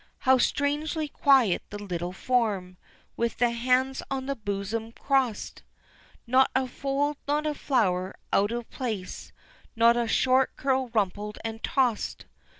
How strangely quiet the little form, With the hands on the bosom crossed! Not a fold, not a flower out of place, Not a short curl rumpled and tossed!